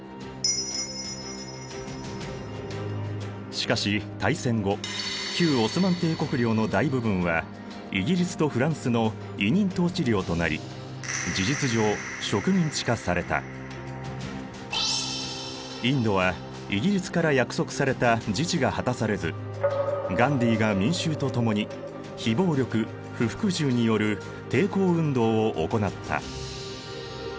しかし大戦後旧オスマン帝国領の大部分はイギリスとフランスの委任統治領となりインドはイギリスから約束された自治が果たされずガンディーが民衆と共に非暴力・不服従による抵抗運動を行った。